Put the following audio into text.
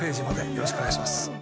よろしくお願いします。